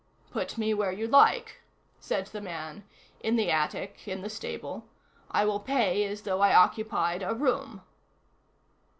"Put me where you like," said the man; "in the attic, in the stable. I will pay as though I occupied a room."